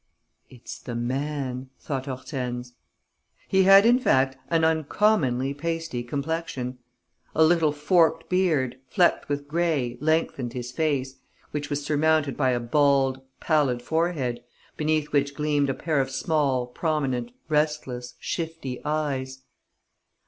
"It's the man," thought Hortense. He had in fact an uncommonly pasty complexion. A little forked beard, flecked with grey, lengthened his face, which was surmounted by a bald, pallid forehead, beneath which gleamed a pair of small, prominent, restless, shifty eyes.